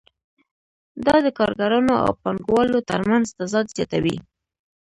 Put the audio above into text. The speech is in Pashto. دا د کارګرانو او پانګوالو ترمنځ تضاد زیاتوي